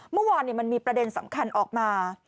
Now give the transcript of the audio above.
เมื่อวานมันมีประเด็นสำคัญออกมา